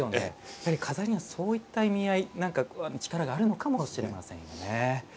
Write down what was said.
やっぱり錺にはそういった意味合い何か力があるのかもしれませんよね。